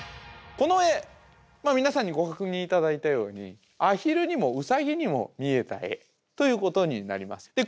この絵皆さんにご確認頂いたようにアヒルにもウサギにも見えた絵ということになります。